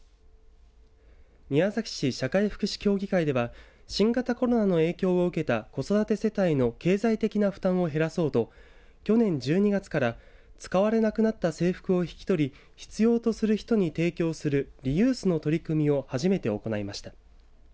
宮崎市社会福祉協議会では新型コロナの影響を受けた子育て世帯の経済的な負担を減らそうと去年１２月から使われなくなった制服を引き取り必要とする人に提供するリユースの取り組みを初めて行いました。